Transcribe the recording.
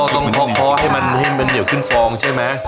อ๋อต้องทอดคอให้มันเหนียวขึ้นฟองใช่ไหม